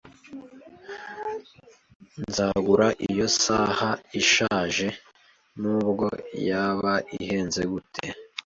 Nzagura iyo saha ishaje nubwo yaba ihenze gute.